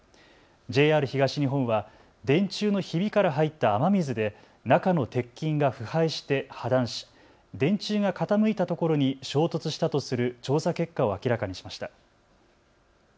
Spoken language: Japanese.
ＪＲ東日本は電柱のひびから入った雨水で中の鉄筋が腐敗して破断し、電柱が傾いたところに衝突したとする調査結果を明らかにしました。